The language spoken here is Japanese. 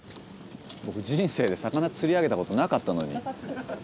僕人生で魚釣り上げたことなかったのに。